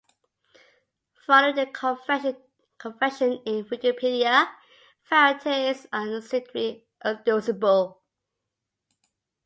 Following the convention in Wikipedia, varieties are assumed to be irreducible.